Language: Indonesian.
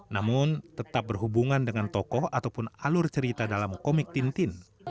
namun tetap berhubungan dengan tokoh ataupun alur cerita dalam komik tintin